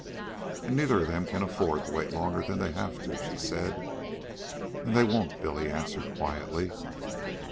"And neither of them can afford to wait longer than they have to," she said. "And they won't," Billy answered quietly.